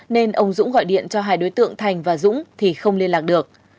nên ông dũng gọi điện cho hai đối tượng thành và dũng thì không liên lạc được